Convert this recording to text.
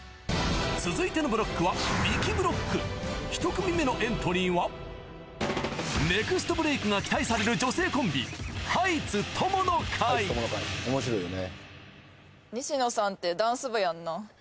続いてのブロックはびきブロック１組目のエントリーはネクストブレイクが期待される女性コンビ西野さんってダンス部やんな？